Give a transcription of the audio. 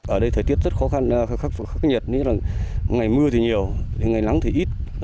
ở đây thời tiết rất khó khăn khắc nhiệt ngày mưa thì nhiều ngày nắng thì ít